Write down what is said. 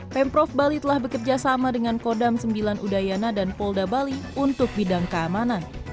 pemprov bali telah bekerjasama dengan kodam sembilan udayana dan polda bali untuk bidang keamanan